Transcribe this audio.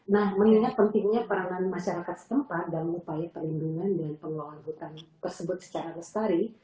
nah mengingat pentingnya peranan masyarakat setempat dalam upaya perlindungan dan pengelolaan hutan tersebut secara lestari